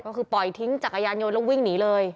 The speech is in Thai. ก็คือปล่อยทิ้งจักรยานยนต์แล้ววิ่งหนีเลย